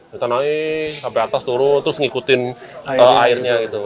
ditanai sampai atas turun terus ngikutin airnya gitu